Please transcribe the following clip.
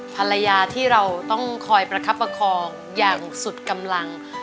ภรรยาที่เราต้องคอยประคับประคองอย่างสุดกำลัง